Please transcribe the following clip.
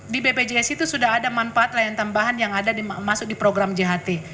di bpjs itu sudah ada manfaat lain tambahan yang ada masuk di program jht